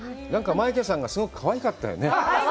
なんかマイケさんがすごくかわいかったよね。